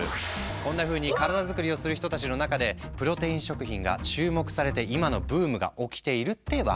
こんなふうに体づくりをする人たちの中でプロテイン食品が注目されて今のブームが起きているってわけ。